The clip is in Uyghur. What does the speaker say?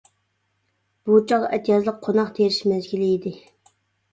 بۇ چاغ ئەتىيازلىق قوناق تېرىش مەزگىلى ئىدى.